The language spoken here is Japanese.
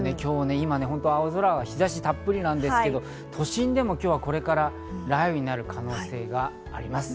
今、青空で日差したっぷりですが、都心でも今日はこれから雷雨になる可能性があります。